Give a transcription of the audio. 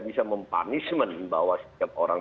bisa mempunishment bahwa setiap orang